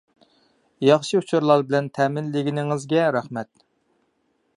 ياخشى ئۇچۇرلار بىلەن تەمىنلىگىنىڭىزگە رەھمەت.